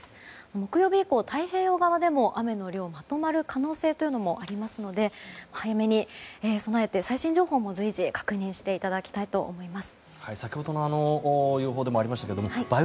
木曜日以降、太平洋側でも雨の量がまとまる可能性がありますので早めに備えて最新情報も随時、確認していただきたいと思います。